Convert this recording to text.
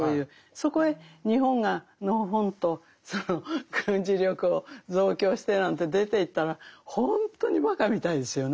そこへ日本がのほほんと軍事力を増強してなんて出ていったらほんとにばかみたいですよね。